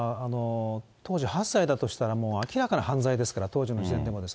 当時８歳だとしたら、明らかな犯罪ですから、当時の時点でも。